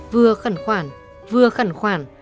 vừa khẩn khoản vừa khẩn khoản